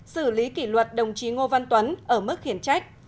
xử lý kỷ luật đồng chí ngô văn tuấn ở mức khiển trách